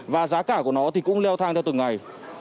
và giá cả của nó cũng leo thang theo dõi